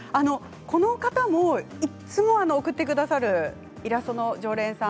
この方もいつも送ってくださるイラストの常連さん